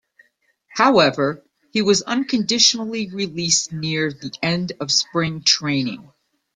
However, he was unconditionally released near the end of spring training.